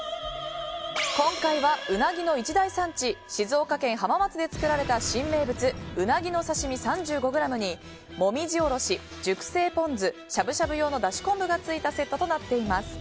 今回はうなぎの一大産地静岡県浜松で作られた新名物、うなぎの刺身３５ｇにもみじおろし、熟成ポン酢しゃぶしゃぶ用のだし昆布が付いたセットとなっています。